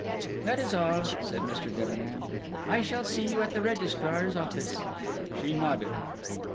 "That is all," said Mr. Debenham. "I shall see you at the registrar's office." She nodded.